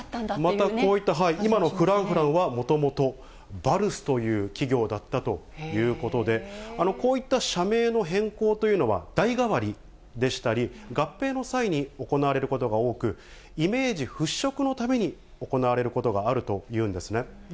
また今のＦｒａｎｃｆｒａｎｃは、もともとバルスという企業だったということで、こういった社名の変更というのは、代替わりでしたり、合併の際に行われることが多く、イメージ払拭のために行われることがあるというんですね。